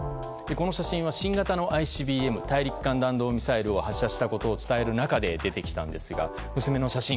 この写真は新型のＩＣＢＭ・大陸間弾道ミサイルを発射したことを伝える中で出てきたんですが娘の写真